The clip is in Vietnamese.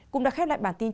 cũng đã khác lại bản tin